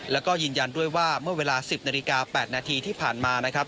แล้วก็ยืนยันด้วยว่าเมื่อเวลา๑๐นาฬิกา๘นาทีที่ผ่านมานะครับ